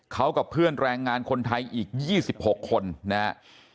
เขากับเพื่อนแรงงานคนไทยอีก๒๖คนนะครับ